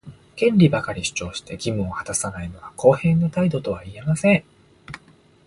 権利ばかり主張して、義務を果たさないのは公平な態度とは言えません。